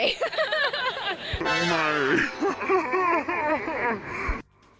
ไม่